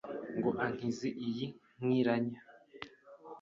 Ngo ankize iyi nkiranya